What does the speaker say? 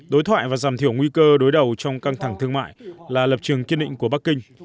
đối thoại và giảm thiểu nguy cơ đối đầu trong căng thẳng thương mại là lập trường kiên định của bắc kinh